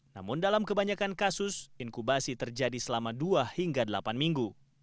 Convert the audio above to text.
namun dalam kebanyakan kasus inkubasi terjadi selama dua hingga delapan minggu